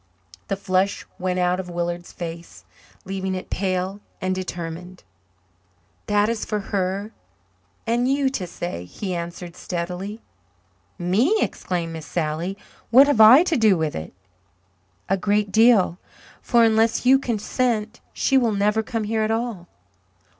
The flush went out of Willard's face, leaving it pale and determined. "That is for her and you to say," he answered steadily. "Me!" exclaimed Miss Sally. "What have I to do with it?" "A great deal for unless you consent she will never come here at all."